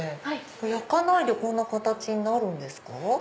焼かないでこんな形になるんですか？